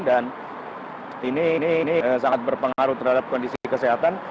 dan ini sangat berpengaruh terhadap kondisi kesehatan